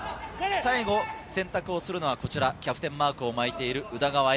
最後選択をするのはキャプテンマークを巻いている宇田川瑛